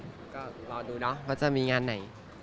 ก็รอดูเนาะว่าจะมีงานไหน